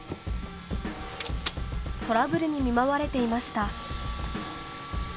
トラブルに見舞われていました。